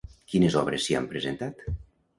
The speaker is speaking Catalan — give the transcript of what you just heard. Quines obres s'hi han presentat?